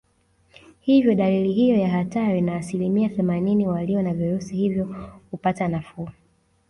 Hivyo dalili hiyo ya hatari na asilimia themanini walio na virusi hivyo hupata nafuu